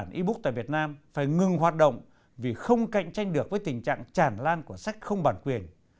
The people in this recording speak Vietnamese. và các đơn vị e book tại việt nam phải ngừng hoạt động vì không cạnh tranh được với tình trạng chản lan của sách không bản quyền